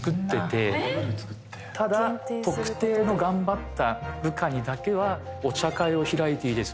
ただ特定の頑張った部下にだけはお茶会を開いていいですよ。